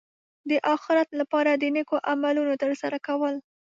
د اخرت لپاره د نېکو عملونو ترسره کول.